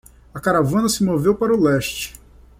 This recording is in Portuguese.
A caravana se moveu para o leste.